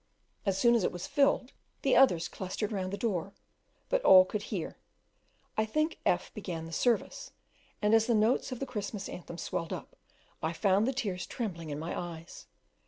As soon as it was filled the others clustered round the door; but all could hear, I think. F began the service; and as the notes of the Christmas Anthem swelled up, I found the tears trembling in my eyes.